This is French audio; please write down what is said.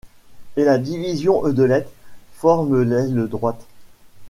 Et la division Heudelet forme l'aile droite.